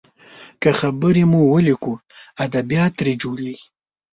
که خبرې مو وليکو، ادبيات ترې جوړیږي.